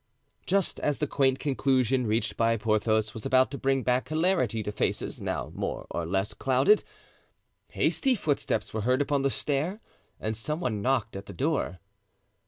Just as the quaint conclusion reached by Porthos was about to bring back hilarity to faces now more or less clouded, hasty footsteps were heard upon the stair and some one knocked at the door.